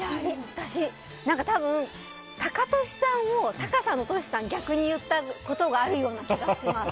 私、多分タカトシさんをタカさん、トシさん逆に言ったことがあるような気がします。